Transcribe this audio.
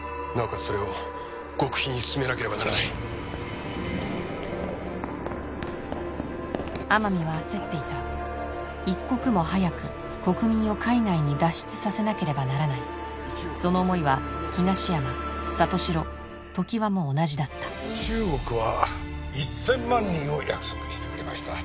それを極秘に進めなければならない天海は焦っていた一刻も早く国民を海外に脱出させなければならないその思いは東山里城常盤も同じだった中国は一千万人を約束してくれました